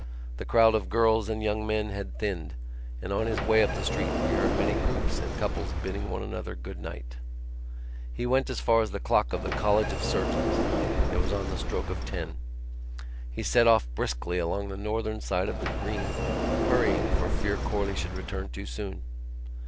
The crowd of girls and young men had thinned and on his way up the street he heard many groups and couples bidding one another good night. He went as far as the clock of the College of Surgeons: it was on the stroke of ten. He set off briskly along the northern side of the Green hurrying for fear Corley should return too soon.